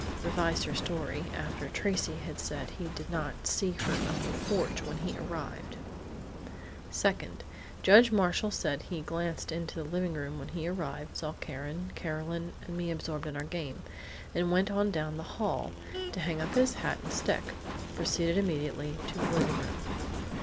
(Revised her story after Tracey had said he did not see her on the porch when he arrived.) "Second: Judge Marshall said he glanced into the living room when he arrived, saw Karen, Carolyn and me absorbed in our game, and went on down the hall, to hang up his hat and stick. Proceeded immediately to the living room.